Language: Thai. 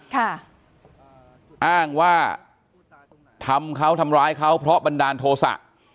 อ้างว่าทำเขาทำร้ายเขาเพราะบันดาลโทษะ